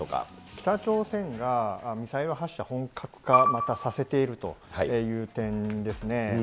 北朝鮮がミサイル発射、本格化またさせているという点ですね。